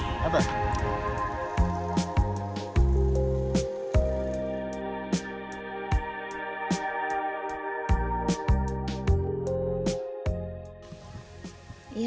semakin banyak biblionetika